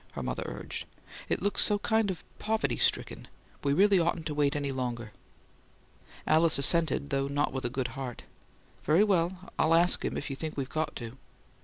her mother urged. "It looks so kind of poverty stricken. We really oughtn't to wait any longer." Alice assented, though not with a good heart. "Very well, I'll ask him, if you think we've got to."